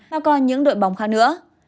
mà còn những đội bóng khác nữa